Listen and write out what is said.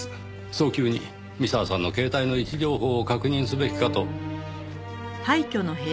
早急に三沢さんの携帯の位置情報を確認すべきかと。